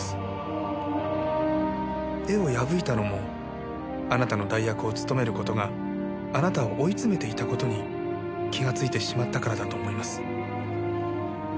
絵を破いたのもあなたの代役を務める事があなたを追い詰めていた事に気がついてしまったからだと思います。